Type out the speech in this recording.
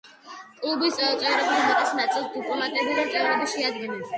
კლუბის წევრების უმეტეს ნაწილს დიპლომატები და მწერლები შეადგენდნენ.